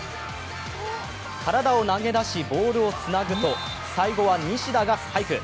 体を投げ出しボールをつなぐと最後は西田がスパイク。